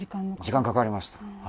時間かかりました。